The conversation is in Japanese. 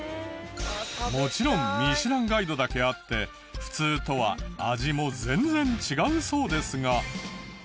もちろん『ミシュランガイド』だけあって普通とは味も全然違うそうですが。